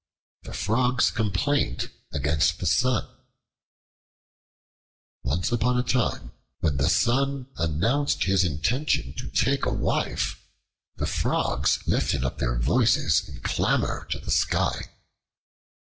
The Frogs' Complaint Against the Sun ONCE UPON A TIME, when the Sun announced his intention to take a wife, the Frogs lifted up their voices in clamor to the sky.